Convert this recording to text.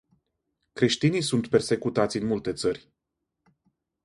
Creștinii sunt persecutați în multe țări.